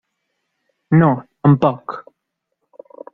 No, tampoc.